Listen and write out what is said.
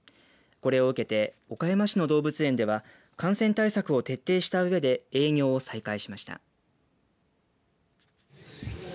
これを受けて岡山市の動物園では感染対策を徹底したうえで営業を再開しました。